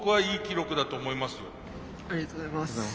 ありがとうございます。